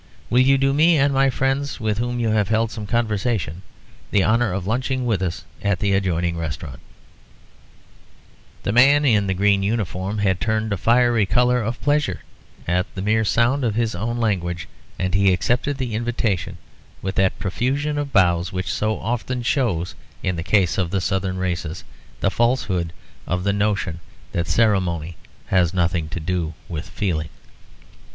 Will you do me and my friends, with whom you have held some conversation, the honour of lunching with us at the adjoining restaurant?" The man in the green uniform had turned a fiery colour of pleasure at the mere sound of his own language, and he accepted the invitation with that profusion of bows which so often shows, in the case of the Southern races, the falsehood of the notion that ceremony has nothing to do with feeling.